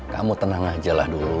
kamu tenang aja lah dulu